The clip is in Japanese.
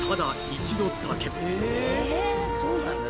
えそうなんだ